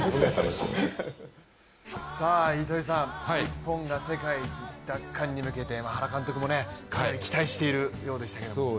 糸井さん、日本が世界一奪還に向けて、原監督もかなり期待しているようでしたけども。